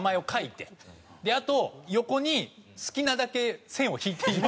であと横に好きなだけ線を引いていい。